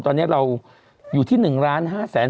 ตอนนี้เราอยู่ที่๑๕๓๗๓๑๐คน